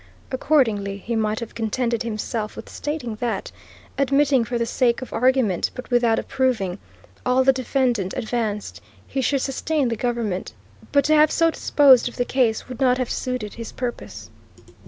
Accordingly, he might have contented himself with stating that, admitting for the sake of argument but without approving, all the defendant advanced, he should sustain the government; but to have so disposed of the case would not have suited his purpose.